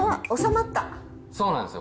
そうなんですよ。